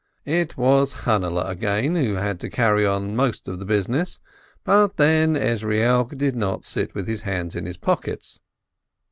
It was Channehle again who had to carry on most of the business, but, then, Ezrielk did not sit with his hands in his pockets.